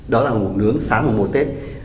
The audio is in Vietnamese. đó là ngủ nướng sáng mùa một tết